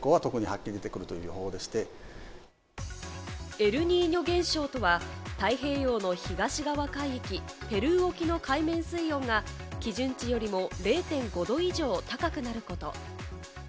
エルニーニョ現象とは、太平洋の東側海域、ペルー沖の海面水温が基準値よりも０．５度以上高くなること。